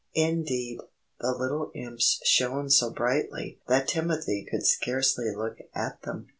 Indeed, the little Imps shone so brightly that Timothy could scarcely look at them.